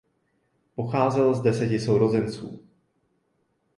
Pocházel z deseti sourozenců.